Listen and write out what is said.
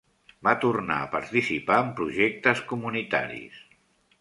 Va tornar a participar en projectes comunitaris.